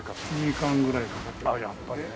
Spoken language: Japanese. ２時間ぐらいかかってますね。